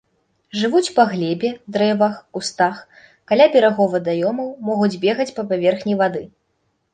Жывуць па глебе, дрэвах, кустах, каля берагоў вадаёмаў, могуць бегаць па паверхні вады.